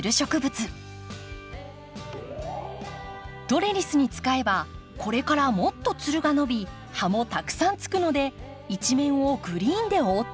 トレリスに使えばこれからもっとつるが伸び葉もたくさんつくので一面をグリーンで覆ってくれます。